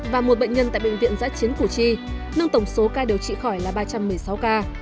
và một bệnh nhân tại bệnh viện giãi chiến củ chi nâng tổng số ca điều trị khỏi là ba trăm một mươi sáu ca